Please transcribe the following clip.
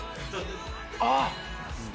あっ。